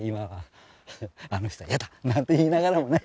「あの人は嫌だ」なんて言いながらもね。